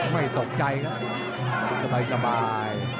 ไม่ตกใจครับสบาย